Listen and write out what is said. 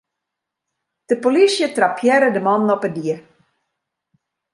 De polysje trappearre de mannen op 'e die.